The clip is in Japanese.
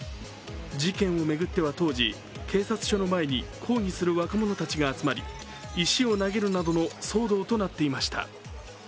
事件を巡っては当時、警察署の前に抗議する若者たちが集まり石を投げるなどの騒動となっていました。